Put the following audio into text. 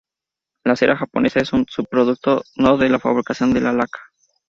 La cera japonesa es un subproducto de la fabricación de la laca.